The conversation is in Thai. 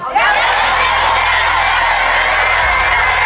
ครับ